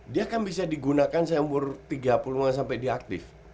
dia kan bisa digunakan seumur tiga puluh an sampai dia aktif